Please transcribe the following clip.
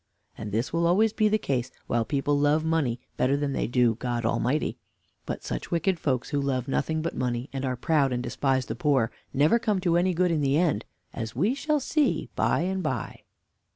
And this will always be the case, while people love money better than they do God Almighty. But such wicked folks who love nothing but money, and are proud and despise the poor, never come to any good in the end, as we shall see by and by.